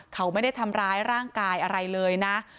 เขาไม่ได้ทำร้ายร่างกายอะไรเลยนะ